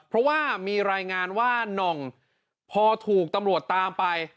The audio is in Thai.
เพราะว่ามีรายงานว่าน่องพอถูกตำรวจตามไป